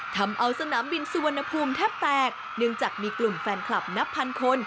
ทำเอาสนามบินสุวรรณภูมิแทบแตกเนื่องจากมีกลุ่มแฟนคลับนับพันคน